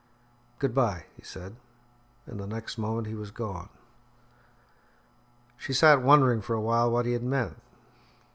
"Good bye," he said, and the next moment he was gone. She sat wondering for a while what he had meant.